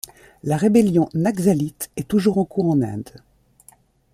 La rébellion naxalite est toujours en cours en Inde.